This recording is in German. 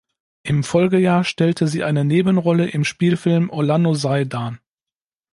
Im Folgejahr stellte sie eine Nebenrolle im Spielfilm "Orlando sei" dar.